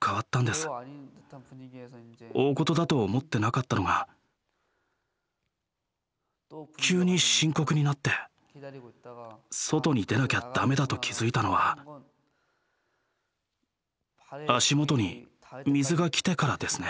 大ごとだと思ってなかったのが急に深刻になって外に出なきゃダメだと気付いたのは足元に水が来てからですね。